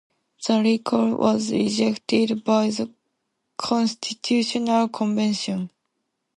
The recall was rejected by the Constitutional Convention.